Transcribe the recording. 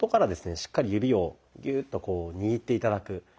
しっかり指をギューッとこう握って頂く。